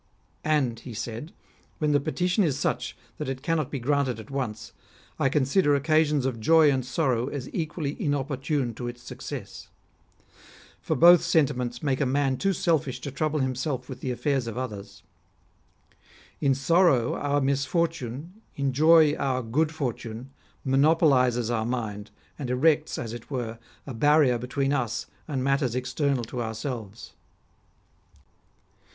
" And," he said, " when the petition is such that it cannot be granted at once, I consider occasions of joy and sorrow as equally inopportune to its success. For both sentiments make a man too selfish to trouble himself with the affairs of others. In sorrow our misfortune, in joy our good fortune, monopolises our mind, and erects, as it were, a barrier between us and matters external to ourselves.